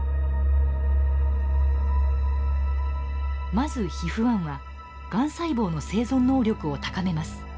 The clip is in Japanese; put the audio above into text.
まずＨＩＦ−１はがん細胞の生存能力を高めます。